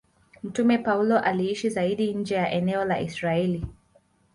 Mtume Paulo aliishi zaidi nje ya eneo la Israeli.